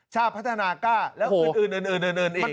ชาติพัฒนากล้าแล้วคุณอื่นเอง